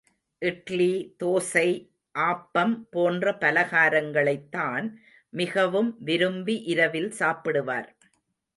இட்லி, தோசை, ஆப்பம் போன்ற பலகாரங்களைத்தான் மிகவும் விரும்பி இரவில் சாப்பிடுவார்.